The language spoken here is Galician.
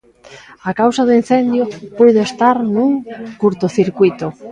A causa do incendio puido estar nun curtocircuíto.